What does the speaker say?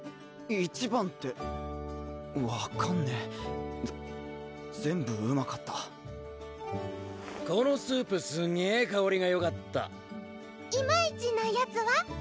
一番って分かんねえぜ全部うまかったこのスープすげえ香りがよかったイマイチなやつは？